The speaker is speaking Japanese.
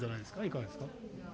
いかがですか。